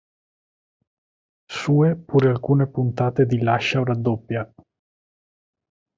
Sue pure alcune puntate di "Lascia o raddoppia?